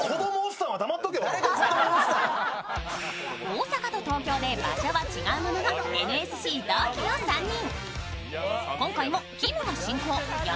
大阪と東京で場所は違うもののＮＳＣ同期の３人。